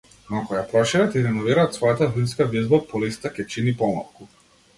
Но ако ја прошират и реновираат својата винска визба, полисата ќе чини помалку.